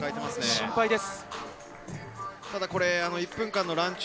心配です。